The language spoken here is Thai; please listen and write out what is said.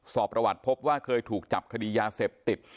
สอบประวัติพบว่าเคยถูกจับคดียาเสพติด